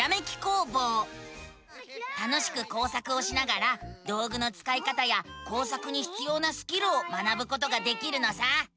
楽しく工作をしながら道ぐのつかい方や工作にひつようなスキルを学ぶことができるのさ！